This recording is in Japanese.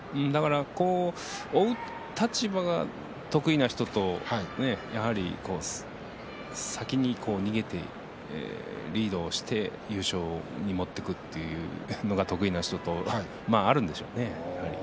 追う立場が得意な人と先に逃げてリードをして優勝に持っていくというのが得意な人とあるんでしょうね。